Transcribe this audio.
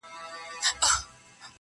له یخنیه دي بې واکه دي لاسونه!!.